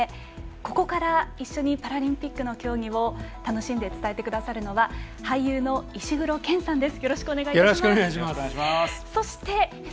ここから一緒にパラリンピックの競技を楽しんで伝えてくださるのは俳優の石黒賢さんです。